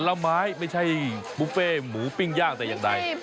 ละไม้ไม่ใช่บุฟเฟ่หมูปิ้งย่างแต่อย่างใด